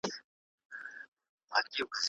دا موجودات د لیدو وړ نه دي.